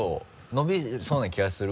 伸びそうな気がする？